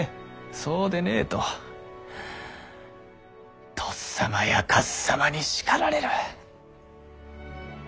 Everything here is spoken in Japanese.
そうでねぇととっさまやかっさまに叱られる。